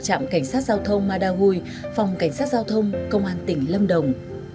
trạm cảnh sát giao thông mada huy phòng cảnh sát giao thông công an tỉnh lâm đồng